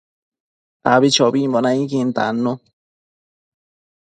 Abichobimbo nainquin tannu